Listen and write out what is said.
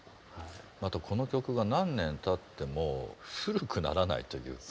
あとこの曲が何年たっても古くならないというか。